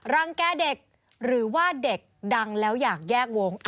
รังแก่เด็กหรือว่าเด็กดังแล้วอยากแยกวง